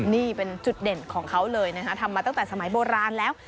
นี่เป็นจุดเด่นของเขาเลยนะคะทำมาตั้งแต่สมัยโบราณแล้ว